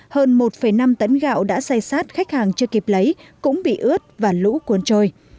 hơn một năm tấn gạo đã say sát khách hàng chưa kịp lấy cũng bị ướt và lũ cuốn trôi